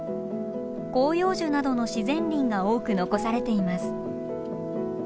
広葉樹などの自然林が多く残されています。